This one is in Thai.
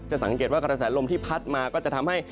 สังเกตว่ากระแสลมที่พัดมาก็จะทำให้